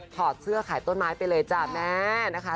อดเสื้อขายต้นไม้ไปเลยจ้ะแม่นะคะ